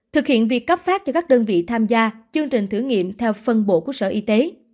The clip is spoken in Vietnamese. thực hiện việc cấp phát cho các đơn vị tham gia chương trình thử nghiệm theo phân bộ của sở y tế